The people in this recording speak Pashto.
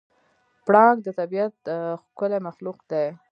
پړانګ د طبیعت ښکلی مخلوق دی.